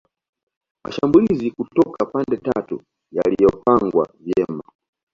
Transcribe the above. Mashambulizi kutoka pande tatu yaliyopangwa vyema